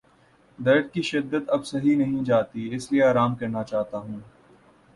درد کی شدت اب سہی نہیں جاتی اس لیے آرام کرنا چاہتا ہوں۔